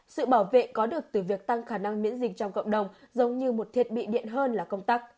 sự bảo vệ có được từ việc tăng khả năng miễn dịch trong cộng đồng giống như một thiết bị điện hơn là công tắc